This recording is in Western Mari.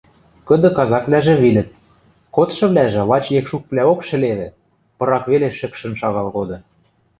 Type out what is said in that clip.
Кыды казаквлӓжӹ вилӹт, кодшывлӓжӹ лач екшуквлӓок шӹлевӹ, пырак веле шӹкшӹн шагал коды.